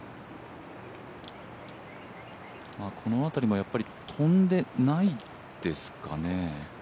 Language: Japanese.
この辺りも飛んでないですかね。